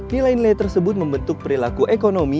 nilai nilai tersebut membentuk perilaku ekonomi